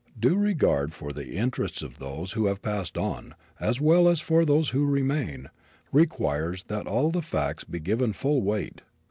Due regard for the interests of those who have passed on, as well as for those who remain, requires that all the facts be given full weight.